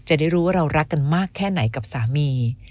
จะได้รู้ว่าเรารักกันมากแค่ไหนกับสามี